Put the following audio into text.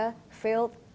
kita sama sama tahu bahwa